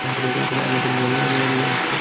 আমি একটা ব্যবস্থা করে ফেলবো।